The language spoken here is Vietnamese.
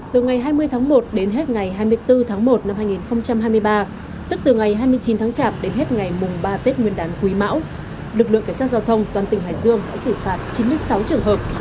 từ ngày hai mươi tháng một đến hết ngày hai mươi bốn tháng một năm hai nghìn hai mươi ba tức từ ngày hai mươi chín tháng chạp đến hết ngày mùng ba tết nguyên đán quý mão lực lượng cảnh sát giao thông toàn tỉnh hải dương đã xử phạt chín mươi sáu trường hợp